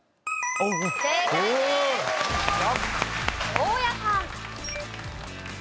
大家さん。